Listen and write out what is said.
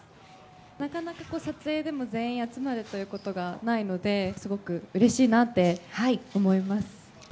なかなか撮影でも全員集まるということがないので、すごくうれしいなって思います。